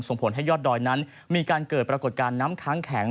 ส่งผลให้ยอดดอยนั้นมีการเกิดปรากฏการณ์น้ำค้างแข็ง